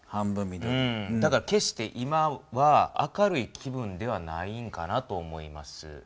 だから決して今は明るい気分ではないんかなと思います。